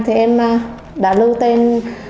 thì em đã lưu tên